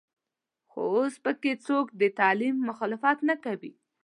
خو اوس په کې څوک د تعلیم مخالفت نه کوي.